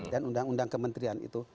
dan undang undang kementerian itu